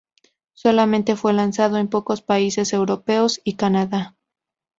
Solamente fue lanzado en pocos países europeos y Canadá.